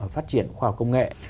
phát triển khoa học công nghệ